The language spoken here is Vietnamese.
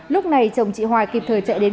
lúc này chồng chị hoài kịp thời chạy đến